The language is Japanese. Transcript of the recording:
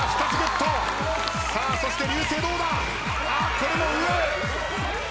これも上！